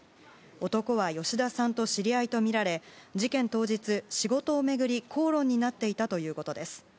男はヨシダさんと知り合いとみられ事件当日、仕事を巡り口論になっていたということです。